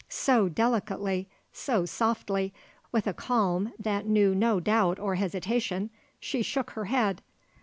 So delicately, so softly, with a calm that knew no doubt or hesitation, she shook her head.